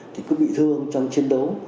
thì cứ bị thương trong chiến đấu